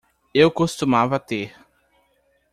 Eu costumava ter